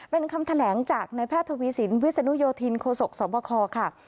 เป็นคำแถลงจากนายแพทย์โทพีศิลป์วิศนุโยธินโคศกสมปครค่ะ